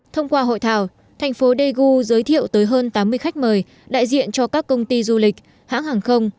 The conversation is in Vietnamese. thông qua hội thảo thành phố daegu giới thiệu tới hơn tám mươi khách mời đại diện cho các công ty du lịch hãng hàng không